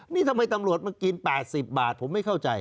นี่ทำไมตำรวจมากิน๘๐บาทผมไม่เข้าใจ